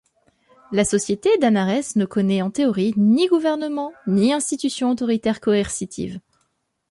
La société d'Annares ne connaît, en théorie, ni gouvernement ni institutions autoritaires coercitives.